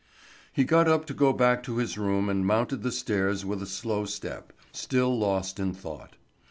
He got up to go back to his room and mounted the stairs with a slow step, still lost in thought.